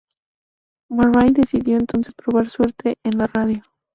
Murray decidió entonces probar suerte en la radio.